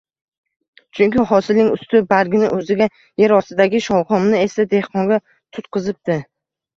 Chunki hosilning usti — bargini o’ziga, yer ostidagi sholg’omni esa dehqonga tutqizibdi